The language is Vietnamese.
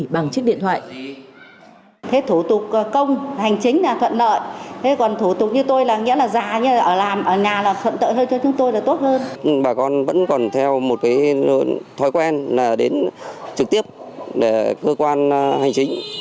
bà con vẫn còn theo một cái thói quen là đến trực tiếp để cơ quan hành chính